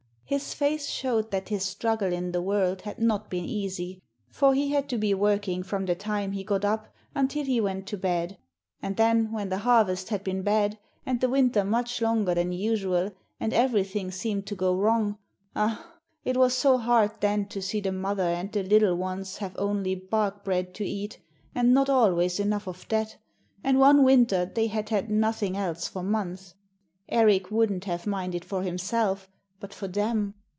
His face showed that his struggle in the world had not been easy, for he had to be working from the time he got up until he went to bed; and then when the harvest had been bad, and the winter much longer than usual, and everything seemed to go wrong ah! it was so hard then to see the mother and the little ones have only bark bread to eat, and not always enough of that, and one winter they had had nothing else for months. Erik wouldn't have minded for himself, but for them